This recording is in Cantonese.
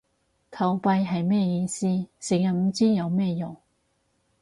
投幣係咩意思？成日唔知有咩用